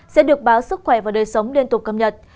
sẽ được báo sức khỏe và đời sống liên tục cập nhật